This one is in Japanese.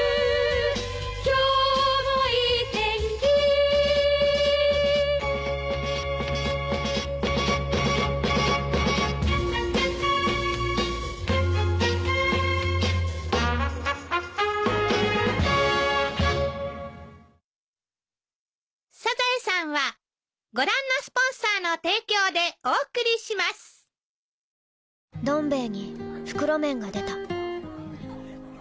「今日もいい天気」「どん兵衛」に袋麺が出た